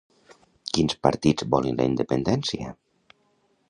Quins partits volen la Independència?